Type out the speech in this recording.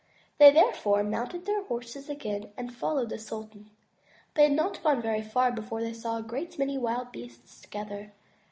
They therefore mounted their horses again and followed the sultan. They had not gone very far before they saw a great many wild beasts together.